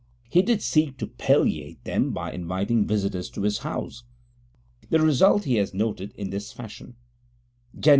He did seek to palliate them by inviting visitors to his house. The result he has noted in this fashion: _Jan.